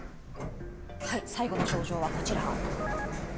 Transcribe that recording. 最後の症状はこちら。